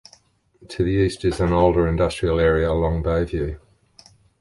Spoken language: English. To the east is an older industrial area along Bayview.